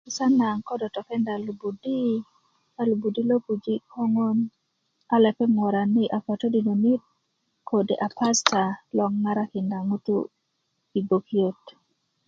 'busan na ko do tokenda li'budi a lupudi lo puji' a koŋon a lopeŋ worani a katodinani kode a pasta loŋ karakinda ŋutu' i gbokiyot